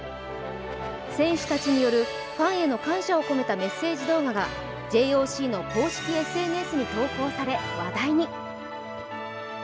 選手たちによるファンへの感謝を込めたメッセージ動画がＪＯＣの公式ＳＮＳに投稿され話題に。